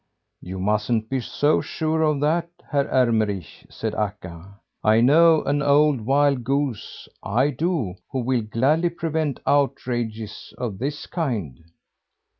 "You mustn't be so sure of that, Herr Ermenrich," said Akka. "I know an old wild goose, I do, who will gladly prevent outrages of this kind."